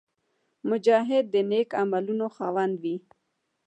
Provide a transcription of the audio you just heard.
مجاهد د نېک عملونو خاوند وي.